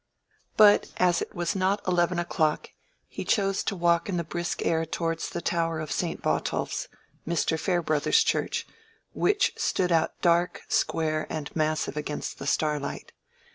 But as it was not eleven o'clock, he chose to walk in the brisk air towards the tower of St. Botolph's, Mr. Farebrother's church, which stood out dark, square, and massive against the starlight.